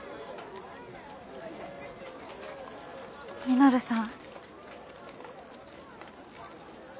稔さん。